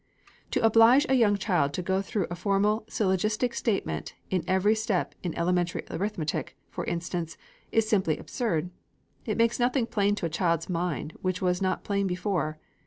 To oblige a young child to go through a formal syllogistic statement in every step in elementary arithmetic, for instance, is simply absurd. It makes nothing plain to a child's mind which was not plain before.